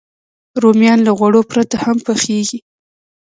رومیان له غوړو پرته هم پخېږي